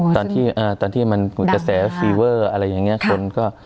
ตอนที่อ่าตอนที่มันกระแสอะไรอย่างเงี้ยคนก็